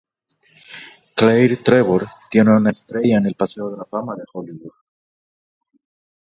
Claire Trevor tiene una estrella en el Paseo de la Fama de Hollywood.